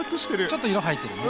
ちょっと色入ってるね。